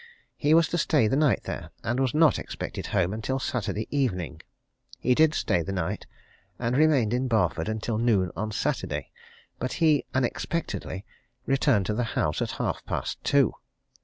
He was to stay the night there, and was not expected home until Saturday evening. He did stay the night, and remained in Barford until noon on Saturday; but he unexpectedly returned to the house at half past two.